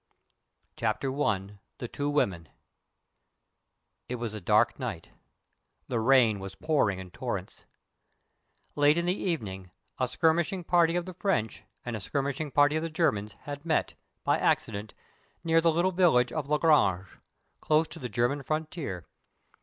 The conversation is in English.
CHAPTER I. THE TWO WOMEN. IT was a dark night. The rain was pouring in torrents. Late in the evening a skirmishing party of the French and a skirmishing party of the Germans had met, by accident, near the little village of Lagrange, close to the German frontier.